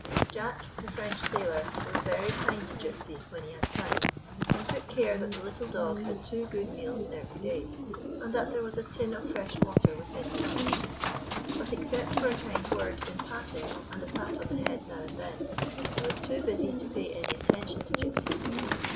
Jack, the French sailor, was very kind to Gypsy when he had time, and took care that the little dog had two good meals every day, and that there was a tin of fresh water within his reach. But, except for a kind word in pass ing and a pat on the head now and then, he was too busy to pay any attention to Gypsy.